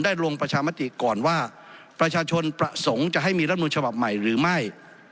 ลงประชามติก่อนว่าประชาชนประสงค์จะให้มีรัฐมนุนฉบับใหม่หรือไม่